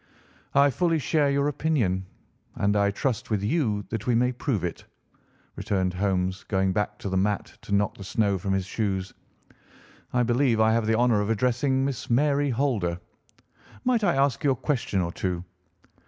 "I fully share your opinion, and I trust, with you, that we may prove it," returned Holmes, going back to the mat to knock the snow from his shoes. "I believe I have the honour of addressing Miss Mary Holder. Might I ask you a question or two?"